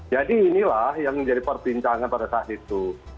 jadi inilah yang menjadi perbincangan pada saat itu